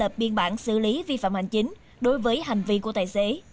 lập biên bản xử lý vi phạm hành chính đối với hành vi của tài xế